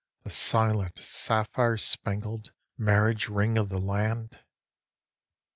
The silent sapphire spangled marriage ring of the land? 2.